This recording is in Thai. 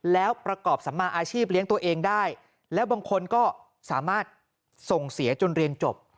แล้วประกอบสัมมาอาชีพเลี้ยงตัวเองได้แล้วบางคนก็สามารถส่งเสียจนเรียนจบ